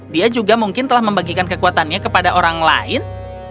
dia juga mungkin telah membagikan kekuatannya kepada orang lain